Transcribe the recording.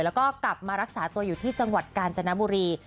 แล้วก็กลับมารักษาตัวอยู่ที่จังหวัดกาญจนบุรี